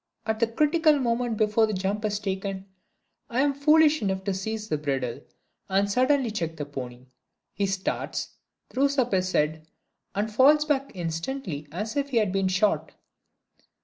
At the critical moment before the jump is taken, I am foolish enough to seize the bridle, and suddenly check the pony. He starts, throws up his head, and falls instantly as if he had been shot.